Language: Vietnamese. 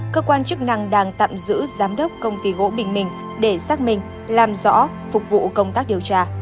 cơ quan chức năng đang tạm giữ giám đốc công ty gỗ bình minh để xác minh làm rõ phục vụ công tác điều tra